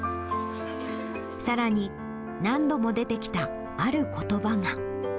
さらに、何度も出てきたあることばが。